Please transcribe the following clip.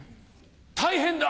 大変だ！